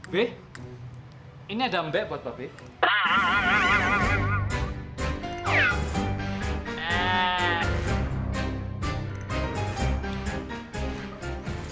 b ini ada mbak buat bapak b